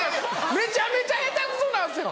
めちゃめちゃ下手クソなんすよ！